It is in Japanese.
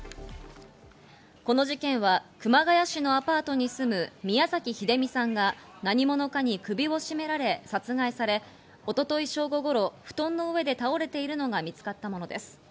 この事件は熊谷市のアパートに住む宮崎英美さんが何者かに首を絞められ殺害され、一昨日正午頃、布団の上で倒れているのが見つかったものです。